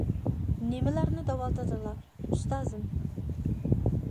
نېمىلەرنى دەۋاتىدىلا، ئۇستازىم.